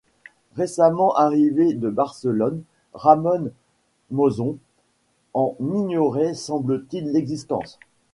Récemment arrivé de Barcelone, Ramón Monzón en ignorait semble-t-il l'existence.